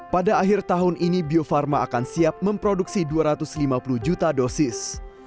pada akhir tahun ini bio farma akan siap memproduksi dua ratus lima puluh juta dosis